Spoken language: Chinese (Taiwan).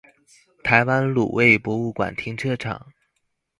台灣滷味博物館停車場